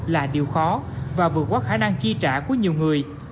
là điều khó và vượt qua khả năng chi trả của nhiều người